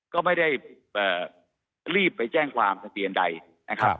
ก็ไม่ได้รีบไปแจ้งความทะเบียนใดนะครับ